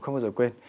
không bao giờ quên